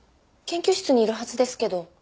研究室にいるはずですけど。